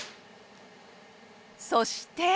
そして。